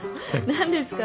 何ですか？